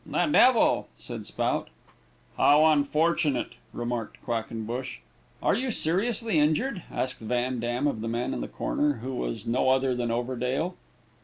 "The devil!" said Spout. "How unfortunate!" remarked Quackenbush. "Are you seriously injured?" asked Van Dam of the man in the corner, who was no other than Overdale.